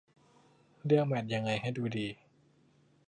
เลือกแมตช์ยังไงให้ดูดี